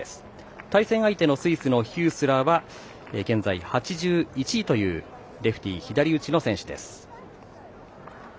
対戦相手のスイスのヒュースラーは現在８１位というレフティ、左打ちの選手です。